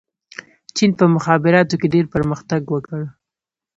چین په مخابراتو کې ډېر پرمختګ وکړ.